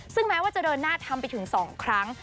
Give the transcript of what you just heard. ซึ่งแม้ว่าจะเดินหน้าทำไปถึง๒ครั้ง